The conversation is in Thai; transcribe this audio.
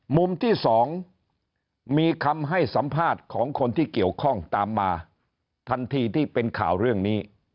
มุมที่๒มีคำให้สัมภาษณ์ของคนที่เกี่ยวข้องตามมาทันทีที่เป็นข่าวเรื่องนี้